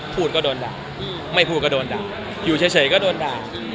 พูดก็โดนด่าไม่พูดก็โดนด่าอยู่เฉยก็โดนด่า